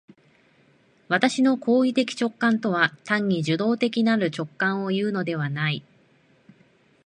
私の行為的直観とは単に受働的なる直覚をいうのではない。